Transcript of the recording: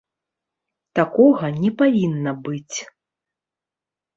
Такога не павінна быць.